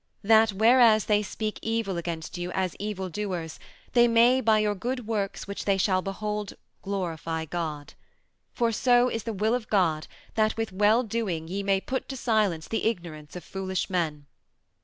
"That whereas they speak evil against you as evil doers, they may by your good works which they shall behold glorify God. For so is the will of God that with well doing ye may put to silence the ignorance of foolish men."